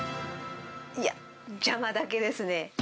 いや、邪魔だけですね。